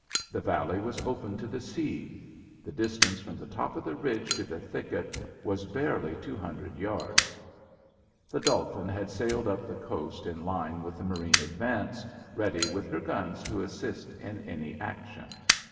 The valley was open to the sea. The distance from the top of the ridge to the thicket was barely two hundred yards. The Dolphin had sailed up the coast in line with the marine advance, ready with her guns to assist in any action.